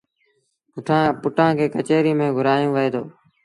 پُٽآݩ کي ڪچهريٚ ميݩ گھُرآيو وهي دو